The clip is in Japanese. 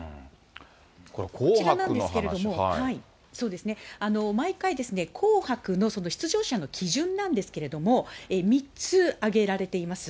こちらなんですけど、毎回ですね、紅白の出場者の基準なんですけれども、３つ挙げられています。